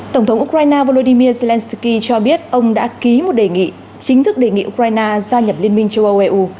tổng thống ukraine volodymyr zelensky cho biết ông đã ký một đề nghị chính thức đề nghị ukraine gia nhập liên minh châu âu eu